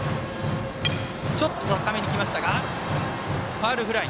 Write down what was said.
ファウルフライ。